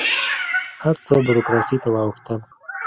هر څه بروکراسي ته واوښتل.